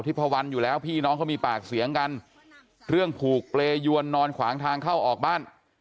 พวันอยู่แล้วพี่น้องเขามีปากเสียงกันเรื่องผูกเปรยวนนอนขวางทางเข้าออกบ้าน